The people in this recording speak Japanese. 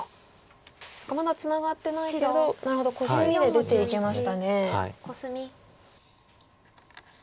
そっかまだツナがってないけどなるほどコスミで出ていけましたね。